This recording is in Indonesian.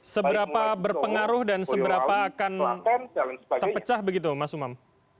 seberapa berpengaruh dan seberapa akan terpecah begitu mas umam